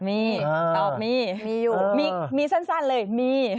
มีตอบมีมีสั้นเลยมี